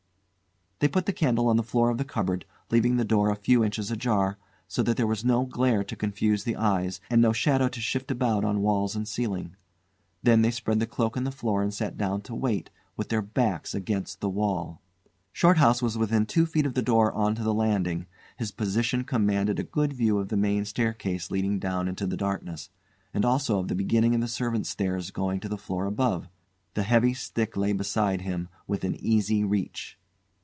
They put the candle on the floor of the cupboard, leaving the door a few inches ajar, so that there was no glare to confuse the eyes, and no shadow to shift about on walls and ceiling. Then they spread the cloak on the floor and sat down to wait, with their backs against the wall. Shorthouse was within two feet of the door on to the landing; his position commanded a good view of the main staircase leading down into the darkness, and also of the beginning of the servants' stairs going to the floor above; the heavy stick lay beside him within easy reach.